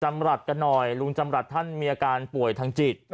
จำรัฐกันหน่อยลุงจำรัฐท่านมีอาการป่วยทางจิต